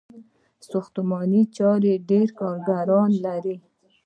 ساختماني چارې ډیر کارګران لري.